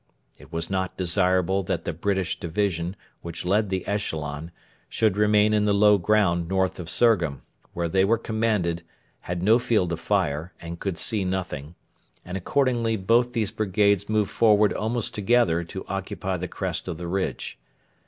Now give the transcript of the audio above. It was not desirable that the British division, which led the echelon, should remain in the low ground north of Surgham where they were commanded, had no field of fire, and could see nothing and accordingly both these brigades moved forward almost together to occupy the crest of the ridge.